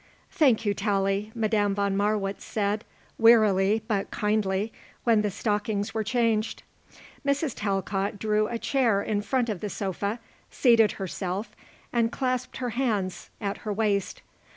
"Thank you, Tallie," Madame von Marwitz said, wearily but kindly, when the stockings were changed. Mrs. Talcott drew a chair in front of the sofa, seated herself and clasped her hands at her waist.